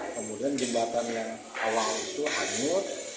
kemudian jembatan yang awal itu hanyut